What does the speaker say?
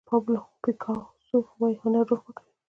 پابلو پیکاسو وایي هنر روح پاکوي.